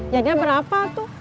jadinya berapa atu